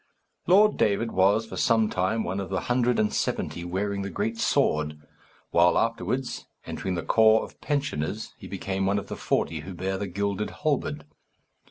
Lord David was for some time one of the hundred and seventy wearing the great sword, while afterwards, entering the corps of pensioners, he became one of the forty who bear the gilded halberd.